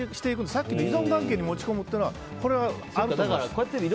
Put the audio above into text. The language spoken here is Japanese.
さっきの依存関係に持ち込むというのは合ってます。